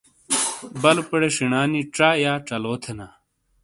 بلُوپیرے شینا نی ژا /ژلو تھینا۔